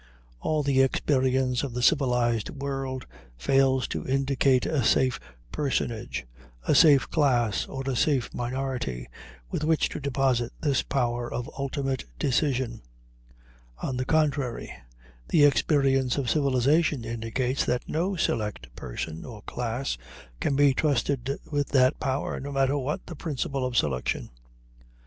All the experience of the civilized world fails to indicate a safe personage, a safe class, or a safe minority, with which to deposit this power of ultimate decision. On the contrary, the experience of civilization indicates that no select person or class can be trusted with that power, no matter what the principle of selection.